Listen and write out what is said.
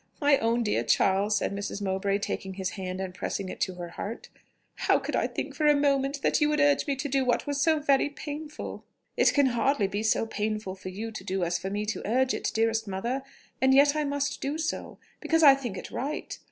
"My own dear Charles!" said Mrs. Mowbray, taking his hand and pressing it to her heart, "how could I think for a moment that you would urge me to do what was so very painful!" "It can hardly be so painful for you to do as for me to urge it, dearest mother; and yet I must do so ... because I think it right.